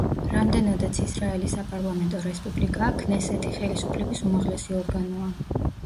რამდენადაც ისრაელი საპარლამენტო რესპუბლიკაა, ქნესეთი ხელისუფლების უმაღლესი ორგანოა.